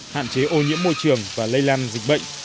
hạn chế ô nhiễm môi trường và lây lan dịch bệnh